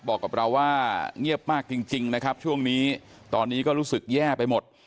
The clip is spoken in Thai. บอกกับเราว่าเงียบมากจริงนะครับช่วงนี้ตอนนี้ก็รู้สึกแย่ไปหมด